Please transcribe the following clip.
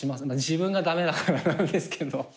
自分が駄目だからなんですけど。